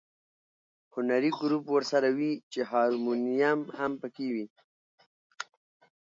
هنري ګروپ ورسره وي چې هارمونیم هم په کې وي.